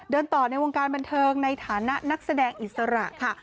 ต่อในวงการบันเทิงในฐานะนักแสดงอิสระค่ะ